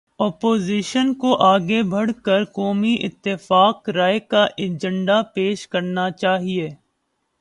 Opposition کو آگے بڑھ کر قومی اتفاق رائے کا ایجنڈا پیش کرنا چاہیے۔